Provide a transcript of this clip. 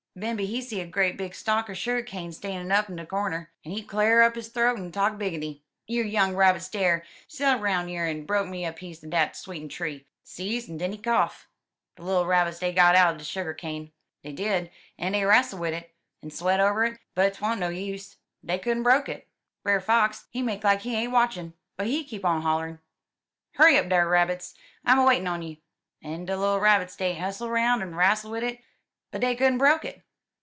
Bimeby he see a great big stalk er sugar cane stan'in' up in de cornder, en he cl'ar up his throat en talk biggity: *'Yer! you young Rabs dar, sail 'roun' yer en broke me a piece er dat sweetin' tree,* sezee, en den he koff. De little Rabbits, dey got out de sugar cane, dey did, en dey rastle wid it, en sweat over it, but twan't no use. Dey couldn't broke it. Brer Fox, he make like he ain't watchin', but he keep on hoUer'n': 'Hurry up dar, Rabs! I'm a waitin' on you.' *'En de little Rabbits, dey hustle roun' en rastle wid it, but dey couldn't broke it.